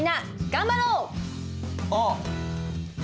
頑張ろう！